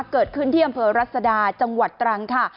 เกิดขึ้นที่อำเภอรัศดาจังหวัดตรังค่ะ